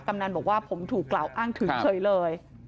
กำนันบอกว่าผมถูกกล่าวอ้างถึงเฉยเลย